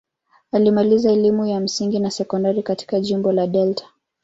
Alimaliza elimu ya msingi na sekondari katika jimbo la Delta.